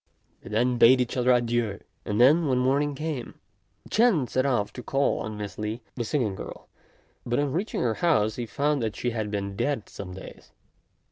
They then bade each other adieu; and, when morning came, Ch'ên set off to call on Miss Li, the singing girl; but on reaching her house he found that she had been dead some days.